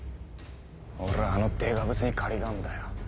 俺はあのデカブツに借りがあんだよ。